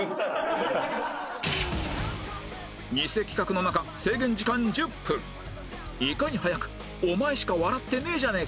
偽企画の中制限時間１０分いかに早く「お前しか笑ってねえじゃねえか！」